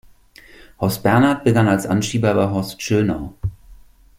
Horst Bernhardt begann als Anschieber bei Horst Schönau.